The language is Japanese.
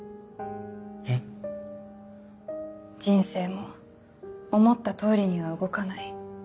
えっ？人生も思った通りには動かない。